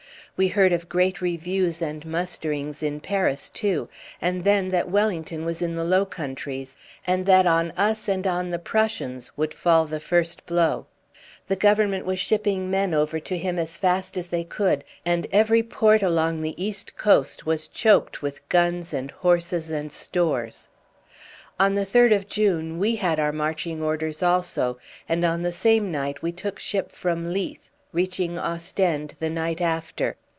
We heard of great reviews and musterings in Paris too, and then that Wellington was in the Low Countries, and that on us and on the Prussians would fall the first blow. The Government was shipping men over to him as fast as they could, and every port along the east coast was choked with guns and horses and stores. On the third of June we had our marching orders also, and on the same night we took ship from Leith, reaching Ostend the night after.